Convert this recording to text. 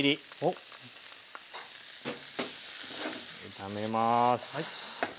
炒めます。